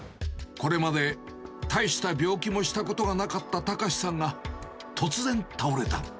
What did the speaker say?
これまで、大した病気もしたことがなかった隆さんが突然倒れた。